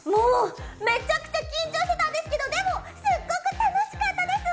めちゃくちゃ緊張してたんですけどでも、すごく楽しかったですわ！